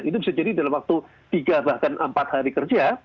itu bisa jadi dalam waktu tiga bahkan empat hari kerja